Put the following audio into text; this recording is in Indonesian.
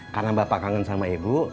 karena bapak kangen sama ibu